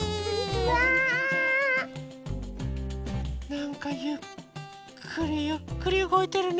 なんかゆっくりゆっくりうごいてるね。